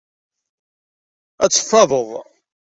Ad teffadeḍ.